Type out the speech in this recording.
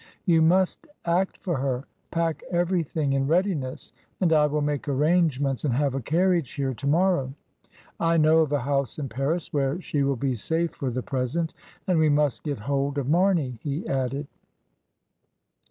"You must act for her, pack everything in readiness, and I will make arrangements and have a carriage here to morrow. I know of a house in Paris where she will be safe for the present. And we must get hold of Marney," he added.